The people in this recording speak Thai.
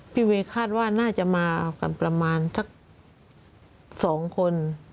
เวย์คาดว่าน่าจะมากันประมาณสัก๒คน